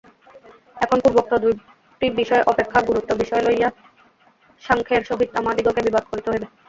এখন পূর্বোক্ত দুইটি বিষয় অপেক্ষা গুরুতর বিষয় লইয়া সাংখ্যের সহিত আমাদিগকে বিবাদ করিতে হইবে।